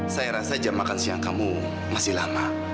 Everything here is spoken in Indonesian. saya rasa jam makan siang kamu masih lama